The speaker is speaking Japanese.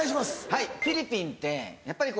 はいフィリピンってやっぱり。